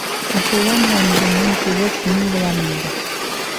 — Асыуланма инде, мин тигәс, мин булам инде.